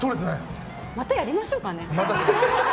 またやりましょうかね。